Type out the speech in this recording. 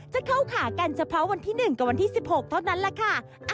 จะเข้าขากันเฉพาะวันที่๑กับวันที่๑๖เท่านั้นแหละค่ะ